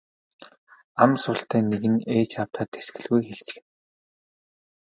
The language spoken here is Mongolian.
Ам султай нэг нь ээж аавдаа тэсгэлгүй хэлчихнэ.